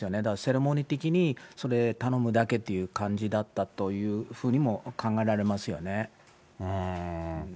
だからセレモニー的に、それ、頼むだけっていう感じだったというふうにも考えられますよね。